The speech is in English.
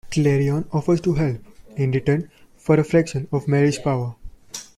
Klarion offers to help, in return for a fraction of Mary's power.